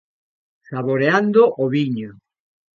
Saboreando o viño.